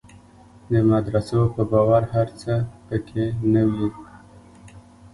د مدرسو په باور هر څه په کې نه وي.